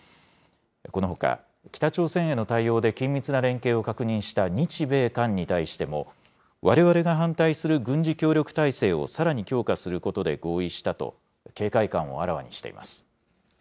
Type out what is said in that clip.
このほか、北朝鮮への対応で緊密な連携を確認した日米韓に対しても、われわれが反対する軍事協力態勢をさらに強化することで合意したと、警戒感をあらわにしています。